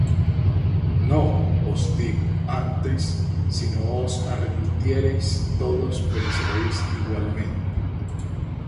No, os digo; antes si no os arrepintiereis, todos pereceréis igualmente.